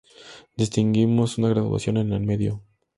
Distinguimos una graduación en el miedo.